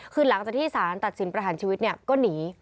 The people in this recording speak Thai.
คือหลังจากที่สารตัดสินประหารชีวิตเนี่ยก็หนี